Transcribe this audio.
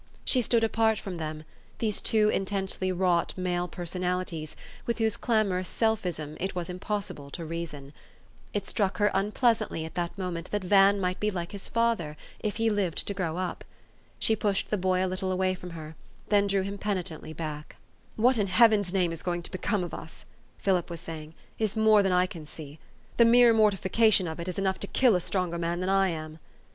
She stood apart from them, these two intensely wrought male per sonalities, with whose clamorous selfism it was im possible to reason. It struck her unpleasantly at that moment that Van might be like his father, if he lived to grow up. She pushed the boy a little away from her, then drew him penitently back. " What in Heaven's name is going to become of us," Philip was saying, "is more than I can see. The mere mortification of it is enough to kill a stronger man than I am."